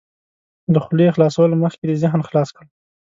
له خولې خلاصولو مخکې دې ذهن خلاص کړه.